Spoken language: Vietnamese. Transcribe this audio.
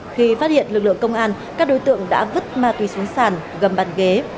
khi phát hiện lực lượng công an các đối tượng đã vứt ma túy xuống sàn gầm bàn ghế